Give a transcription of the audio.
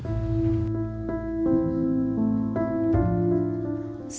terus fisioterapi cek vitamin d nya tiap hari